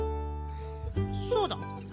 そうだ。